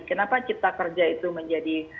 kenapa cipta kerja itu menjadi